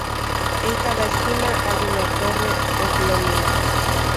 En cada esquina hay una torre oblonga.